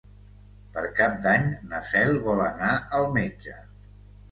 Per Cap d'Any na Cel vol anar al metge.